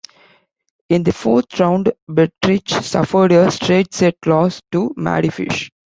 In the fourth round, Berdych suffered a straight-set loss to Mardy Fish.